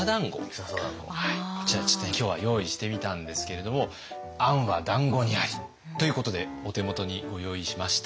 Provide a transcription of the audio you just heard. こちらちょっとね今日は用意してみたんですけれども「餡は団子にあり」ということでお手元にご用意しました。